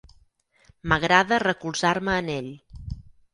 M'agrada recolzar-me en ell.